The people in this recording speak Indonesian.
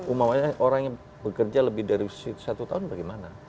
umumnya orang yang bekerja lebih dari satu tahun bagaimana